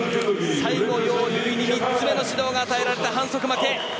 最後、ヨウ・ユウイに３つ目の指導が与えられて反則負け。